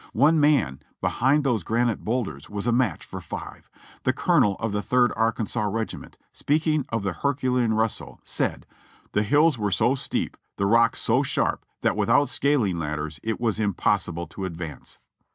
One man behind those granite boulders was a match for five. The colonel of the Third Arkansas regiment, speaking of the herculean wrestle, said : "The hills were so steep, the rocks so sharp, that without scaling ladders it was impossible to advance."